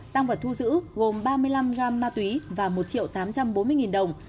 tăng vật thu giữ gồm ba mươi năm gram ma túy và một triệu tám trăm bốn mươi đồng